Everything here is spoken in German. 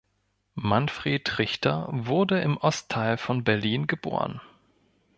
Manfred Richter wurde im Ostteil von Berlin geboren.